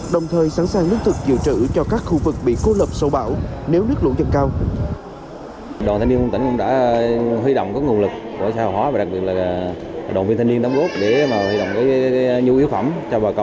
đồng thời sẵn sàng lương thực dự trữ cho các khu vực bị cô lập sâu bão